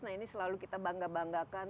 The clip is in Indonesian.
nah ini selalu kita bangga banggakan